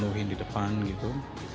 harus dipenuhi di depan gitu